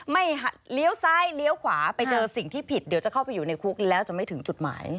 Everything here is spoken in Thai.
เลี้ยวซ้ายเลี้ยวขวาไปเจอสิ่งที่ผิดเดี๋ยวจะเข้าไปอยู่ในคุกแล้วจะไม่ถึงจุดหมาย